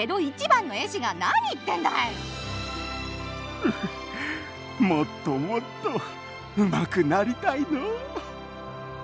ううもっともっとうまくなりたいのう。